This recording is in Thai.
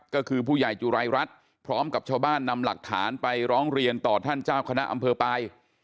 ก็คือผู้ใหญ่จุรายรัฐพร้อมกับชาวบ้านนำหลักฐานไปร้องเรียนต่อท่านเจ้าคณะอำเภอไป